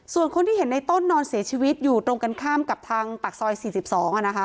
ส่วนคนที่เห็นในต้นนอนเสียชีวิตอยู่ตรงกันข้ามกับทางปากซอย๔๒นะคะ